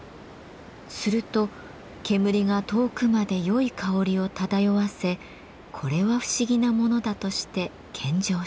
すると煙が遠くまで良い香りを漂わせこれは不思議なものだとして献上した。